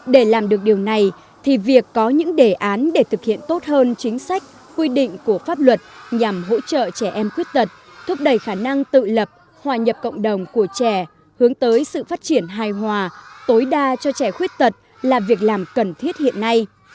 để làm được điều này thì việc có những đề án để thực hiện tốt hơn chính sách quy định của pháp luật nhằm hỗ trợ trẻ em khuyết tật thúc đẩy khả năng tự lập hòa nhập cộng đồng của trẻ hướng tới sự phát triển hài hòa tối đa cho trẻ khuyết tật là việc làm cần thiết hiện nay